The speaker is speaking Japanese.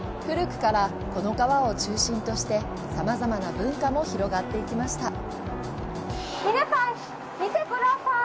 古くから、この川を中心としてさまざまな文化も広がっていきました。